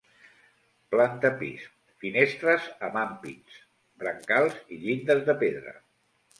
Planta pis: finestres amb ampits, brancals i llindes de pedra.